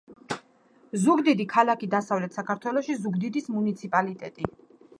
ზუგდიდი — ქალაქი დასავლეთ საქართველოში, ზუგდიდის მუნიციპალიტეტი